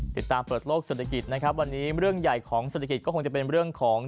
เปิดโลกเศรษฐกิจนะครับวันนี้เรื่องใหญ่ของเศรษฐกิจก็คงจะเป็นเรื่องของ